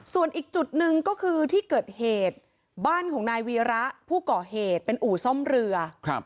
ส่วนอีกจุดหนึ่งก็คือที่เกิดเหตุบ้านของนายวีระผู้ก่อเหตุเป็นอู่ซ่อมเรือ